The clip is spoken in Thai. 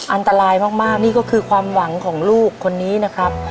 อันตรายมากนี่ก็คือความหวังของลูกคนนี้นะครับ